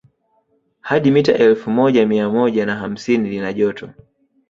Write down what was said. Hadi mita elfu moja mia moja na hamsini lina jopto